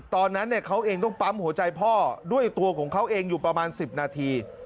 ตอนนั้นเขาเองต้องปั๊มหัวใจพ่อด้วยตัวของเขาเองอยู่ประมาณ๑๐นาที